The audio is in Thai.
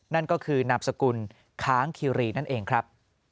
นั่นก็คือนามสกุลค้างคิรีนั่นเองครับ